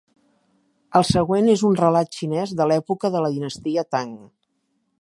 El següent és un relat xinès de l'època de la dinastia Tang.